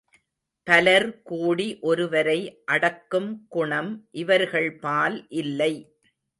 பலர் கூடி ஒருவரை அடக்கும் குணம் இவர்கள்பால் இல்லை.